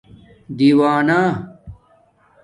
دِیوانݳ